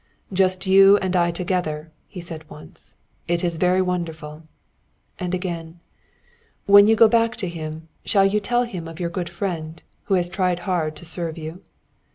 "Just you and I together!" he said once. "It is very wonderful." And again: "When you go back to him, shall you tell him of your good friend who has tried hard to serve you?"